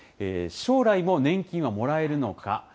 将来も年金はもらえるのか。